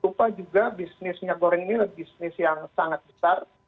lupa juga bisnis minyak goreng ini bisnis yang sangat besar